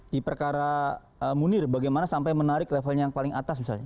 di perkara munir bagaimana sampai menarik levelnya yang paling atas misalnya